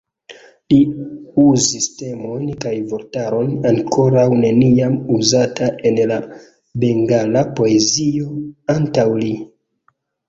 Li uzis temojn kaj vortaron ankoraŭ neniam uzata en la bengala poezio antaŭ li.